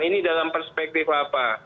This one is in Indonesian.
ini dalam perspektif apa